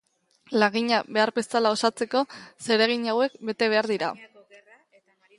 Lagina behar bezala osatzeko zeregin hauek bete behar dira.